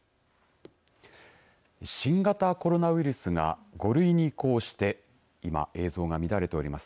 新型コロナウイルスが５類に移行して今、映像が乱れております。